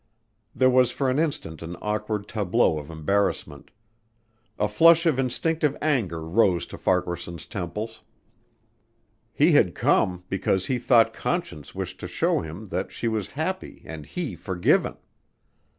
There was for an instant an awkward tableau of embarrassment. A flush of instinctive anger rose to Farquaharson's temples. He had come because he thought Conscience wished to show him that she was happy and he forgiven.